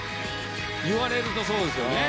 言われるとそうですよね。